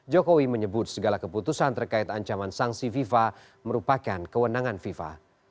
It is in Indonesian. jokowi menyebut segala keputusan terkait ancaman sanksi fifa merupakan kewenangan fifa